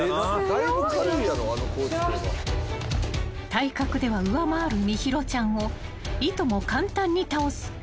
［体格では上回る心優ちゃんをいとも簡単に倒す山中さん］